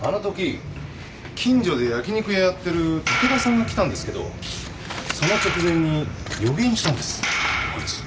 あのとき近所で焼き肉屋やってる竹田さんが来たんですけどその直前に予言したんですこいつ。